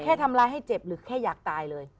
ทำร้ายให้เจ็บหรือแค่อยากตายเลย